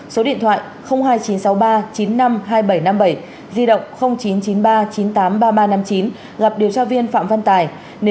số điện thoại hai nghìn chín trăm sáu mươi ba chín mươi năm hai nghìn bảy trăm năm mươi bảy di động chín trăm chín mươi ba chín mươi tám ba nghìn ba trăm năm mươi chín gặp điều tra viên phạm văn tài